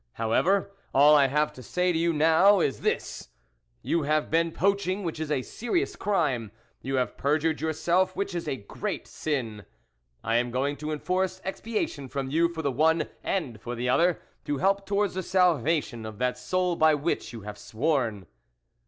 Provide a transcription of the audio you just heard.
However, all I have now to say to you is this : You have been poaching, which is a serious crime ; you have perjured yourself, which is a great sin ; I am going to enforce expia tion from you for the one and for the other, to help towards the salvation of that soul by which you have sworn."